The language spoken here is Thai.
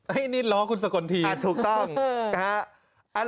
เฮ้ยนี่ล้อคุณสกนทีอ่ะถูกต้องฮึฮึฮึฮึ